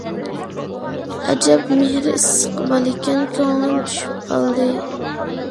ئەجەب مېھرى ئىسسىق بالىكەن، كۆڭلۈم چۈشۈپ قالدى.